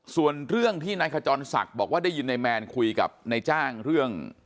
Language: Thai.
ส่วนเรื่องที่นายขจรศักดิ์บอกว่าได้ยินนายแมนคุยกับนายจ้างเรื่อง